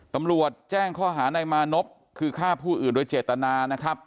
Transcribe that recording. ตำรวจแจ้งข้อหานายมานพคือฆ่าผู้อื่นโดยเจตนานะครับ